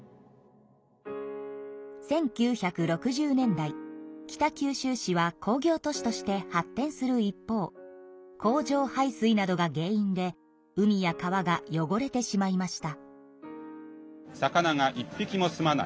１９６０年代北九州市は工業都市として発展する一方工場排水などが原因で海や川がよごれてしまいました。